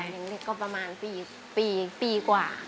เด็กก็ประมาณปีกว่า